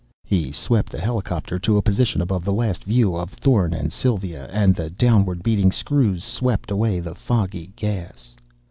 He swept the helicopter to a position above the last view of Thorn and Sylva, and the downward beating screws swept away the foggy gas.